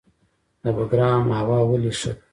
د بګرام هوا ولې ښه ده؟